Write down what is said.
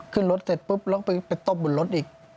ขึ้นรถเสร็จปุ๊บแล้วไปตบบนรถอีก